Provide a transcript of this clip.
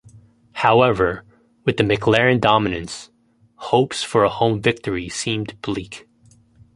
However, with the McLaren dominance, hopes for a home victory seemed bleak.